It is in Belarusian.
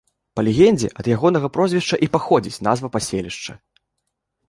Па легендзе ад ягонага прозвішча і паходзіць назва паселішча.